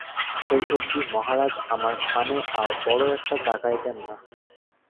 সেই অবধি মহারাজ আমার পানে আর বড়ো একটা তাকাইতেন না।